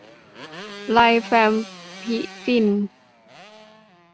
ไรแฟมพิซิน